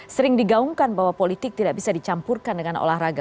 sering digaungkan bahwa politik tidak bisa dicampurkan dengan olahraga